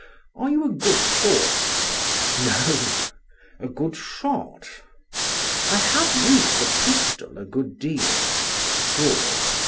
"Are you a good swordsman?" "No." "A good shot?" "I have used a pistol a good deal." "Good!